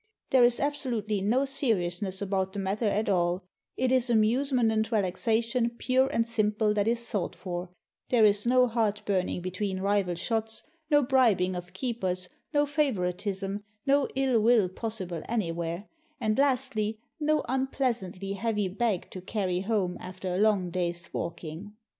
There is absolutely no seriousness about the matter at all, it is amusement and relaxation pure and simple that is sought for; there is no heart burning between rival shots, no bribing of keepers, no favoritism, no ill will possible anywhere ; and lastly, no unpleasantly heavy bag to carry home after a long day's walking.